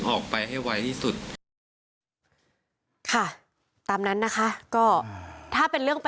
หัวฟาดพื้น